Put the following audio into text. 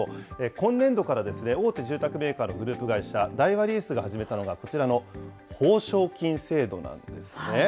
今年度から、大手住宅メーカーのグループ会社、大和リースが始めたのがこちらの報奨金制度なんですね。